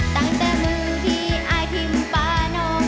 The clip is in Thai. ตั้งแต่มือที่อายทิมป่าน้อง